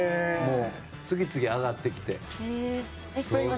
次々、上がってきて。